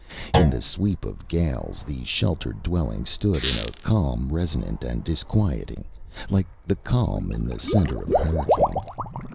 In the sweep of gales the sheltered dwelling stood in a calm resonant and disquieting, like the calm in the centre of a hurricane.